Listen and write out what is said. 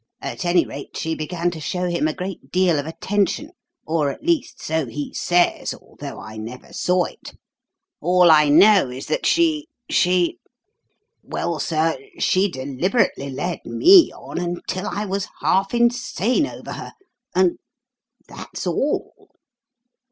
At any rate, she began to show him a great deal of attention or, at least, so he says, although I never saw it. All I know is that she she well, sir, she deliberately led me on until I was half insane over her, and that's all!"